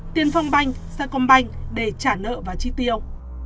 tiền phong banh xe công banh để trả nợ và chi tiêu